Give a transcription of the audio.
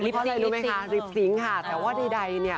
ริปซิงค์ริปซิงค์ค่ะแต่ว่าใดเนี่ย